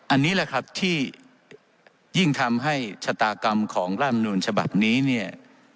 อันนี้แหละครับที่ยิ่งทำให้ชะตากรรมของร่างมนุนฉบับนี้เนี่ย